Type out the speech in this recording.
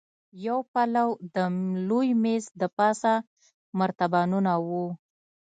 يو پلو د لوی مېز دپاسه مرتبانونه وو.